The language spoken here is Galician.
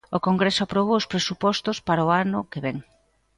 O Congreso aprobou os presupostos para o ano que vén.